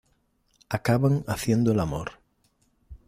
Acaban haciendo el amor.